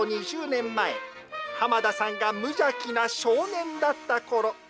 ２０年前、濱田さんが無邪気な少年だったころ。